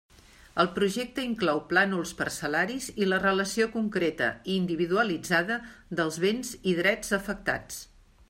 El projecte inclou plànols parcel·laris i la relació concreta i individualitzada dels béns i drets afectats.